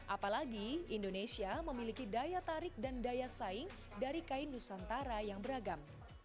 apalagi indonesia memiliki daya tarik dan daya saing dari kain nusantara yang beragam